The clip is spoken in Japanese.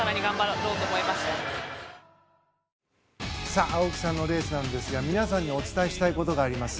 さあ、青木さんのレースなんですが皆さんにお伝えしたいことがあります。